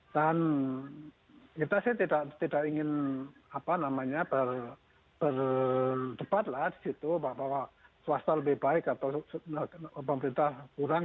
dan kita sih tidak ingin apa namanya berdebat lah disitu bahwa swasta lebih baik atau pemerintah kurang